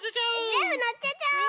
ぜんぶのせちゃおう！